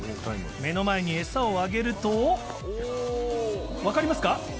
目の前に餌をあげると、分かりますか？